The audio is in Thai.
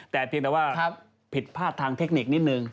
แต่เพียงแต่ว่าผิดพลาดทางเทคนิคนิดนึง